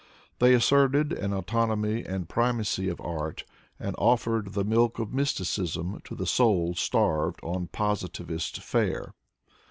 They asserted the autonomy and primacy of art, and offered the milk of mysticism to the soul starved on positivist fare.